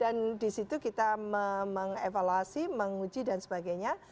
dan di situ kita mengevaluasi menguji dan sebagainya